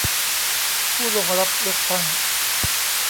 ผู้ลงรับเลือกตั้ง